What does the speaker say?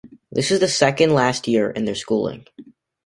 This is the second last year in their schooling.